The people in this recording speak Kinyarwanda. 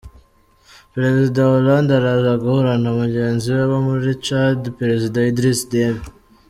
Perezida Hollande araza guhura na mugenzi we wo muri Tchad, perezida Idriss Deby.